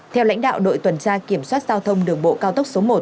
theo lãnh đạo đội tuần tra kiểm soát giao thông đường bộ cao tốc số một